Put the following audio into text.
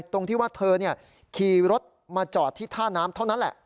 ตรงที่ว่าเธอขี่รถมาจอดที่ท่าน้ำเท่านั้นแหละ